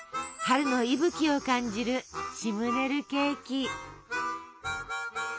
春の息吹を感じるシムネルケーキ！